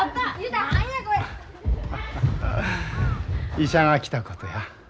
医者が来たことや。